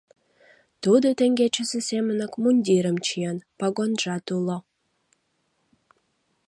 Тудо теҥгечысе семынак мундирым чиен, погонжат уло.